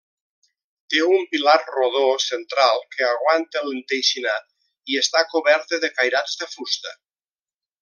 Té un pilar rodó central que aguanta l'enteixinat i està coberta de cairats de fusta.